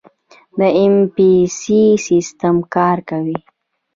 د ایم پیسه سیستم کار کوي؟